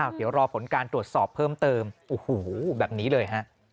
เดี๋ยวรอผลการตรวจสอบเพิ่มเติมโอ้โหแบบนี้เลยฮะ